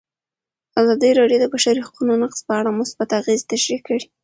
ازادي راډیو د د بشري حقونو نقض په اړه مثبت اغېزې تشریح کړي.